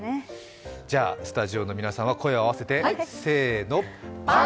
じゃあスタジオの皆さんは声を合わせて。